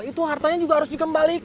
itu hartanya juga harus dikembalikan